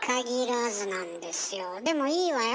でもいいわよ